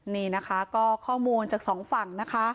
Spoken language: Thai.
นี่นะคะก็ข้อมูลจากสองฝั่งนะคะ